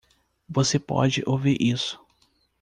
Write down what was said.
Você pode ouvir isso.